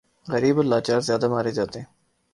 غریب اور لاچار زیادہ مارے جاتے ہیں۔